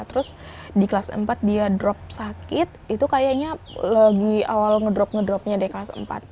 terus di kelas empat dia drop sakit itu kayaknya lagi awal ngedrop ngedropnya di kelas empat